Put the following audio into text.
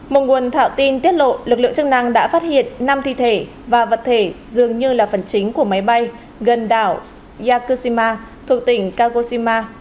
một nguồn thảo tin tiết lộ lực lượng chức năng đã phát hiện năm thi thể và vật thể dường như là phần chính của máy bay gần đảo yakushima thuộc tỉnh kagoshima